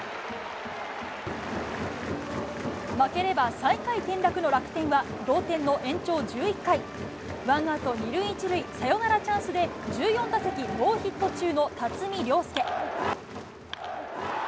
負ければ最下位転落の楽天は、同点の延長１１回、ワンアウト２塁１塁、サヨナラチャンスで１４打席ノーヒット中の辰己涼介。